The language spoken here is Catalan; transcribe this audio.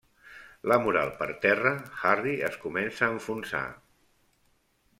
La moral per terra, Harry es comença a enfonsar.